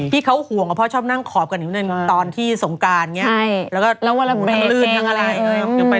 พี่เขาห่วงกันเพราะเขาชอบนั่งขอบตลอดกันอยู่ในตอนที่อีกบันไดสงการเนี่ย